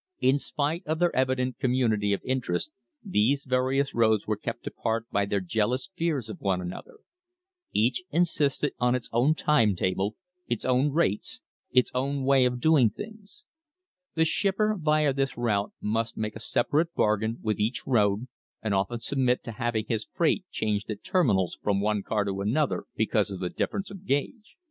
In spite of their evident community of interest these various roads were kept apart by their jealous fears of one another. Each insisted on its own time table, its own rates, THE HISTORY OF THE STANDARD OIL COMPANY its own way of doing things. The shipper via this route must make a separate bargain with each road and often submit to having his freight changed at terminals from one car to an other because of the difference of gauge.